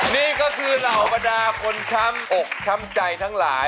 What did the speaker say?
นี่ก็คือเหล่าบรรดาคนช้ำอกช้ำใจทั้งหลาย